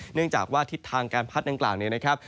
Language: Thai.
เนื่องจากว่าทิศทางการพัดดังกลางเนี่ย